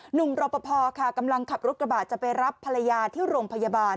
รอปภค่ะกำลังขับรถกระบะจะไปรับภรรยาที่โรงพยาบาล